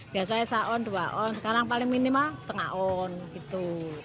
biasanya saon dua on sekarang paling minimal setengah on gitu